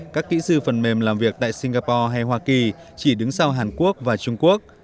các kỹ sư phần mềm làm việc tại singapore hay hoa kỳ chỉ đứng sau hàn quốc và trung quốc